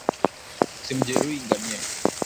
Usimjeruhi ngamia